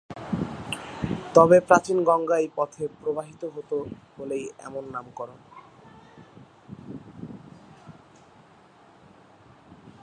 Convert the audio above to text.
তবে প্রাচীন গঙ্গা এই পথে প্রবাহিত হতো বলেই এমন নামকরণ।